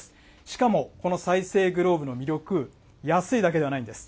しかもこの再生グローブの魅力、安いだけではないんです。